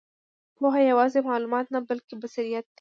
پوهه یوازې معلومات نه، بلکې بصیرت دی.